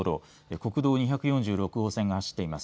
国道２４６号線が走っています。